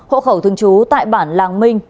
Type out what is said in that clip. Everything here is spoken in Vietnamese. hộ khẩu thương chú tại bản làng minh